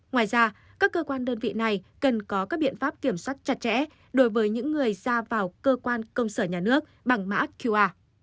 ngoài ra các cơ quan đơn vị này cần có các biện pháp kiểm soát chặt chẽ đối với những người ra vào cơ quan công sở nhà nước bằng mã qr